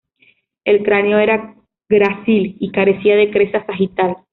El cráneo era grácil y carecía de cresta sagital.